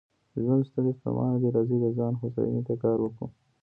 ژوند ستړی ستومانه دی، راځئ د ځان هوساینې ته کار وکړو.